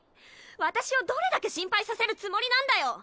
私をどれだけ心配させるつもりなんだよ！